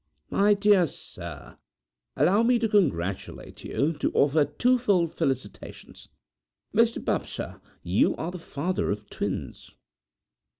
'My dear sir, allow me to congratulate you to offer twofold felicitations. Mr Bubb, sir, you are the father of twins!'